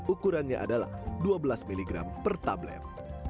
ukurannya adalah dua belas mg per tablet